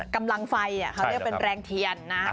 กำลังไฟเขาเรียกเป็นแรงเทียนนะ